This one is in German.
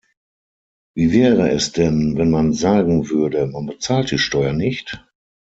Wie wäre es denn, wenn man sagen würde, man bezahlt die Steuer nicht?